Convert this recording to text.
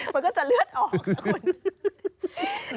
มันก็จะเลือดออกนะคุณ